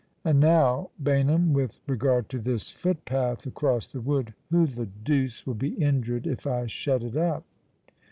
And now, Baynham, with regard to this footpath across the wood, who the deuce will be injured if I shut it up